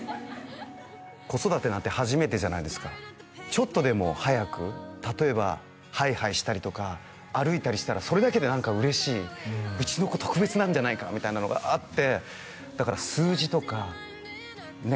子育てなんて初めてじゃないですかちょっとでも早く例えばはいはいしたりとか歩いたりしたらそれだけで何か嬉しいうちの子特別なんじゃないかみたいなのがあってだから数字とかね